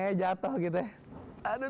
nggak ngejatuh gitu ya